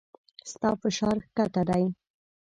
ستا فشار کښته دی